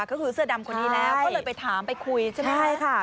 คือเสือดำคนนี้แล้วก็เลยไปถามไปคุยใช่ไหมคะโอเคบอิสถานี